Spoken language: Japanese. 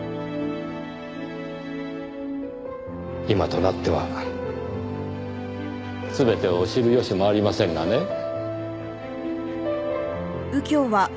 今となっては全てを知る由もありませんがね。